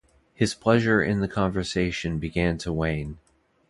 His pleasure in the conversation began to wane.